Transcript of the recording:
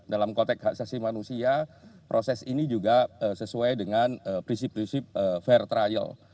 dalam kotek haksasi manusia proses ini juga sesuai dengan prinsip prinsip fair trial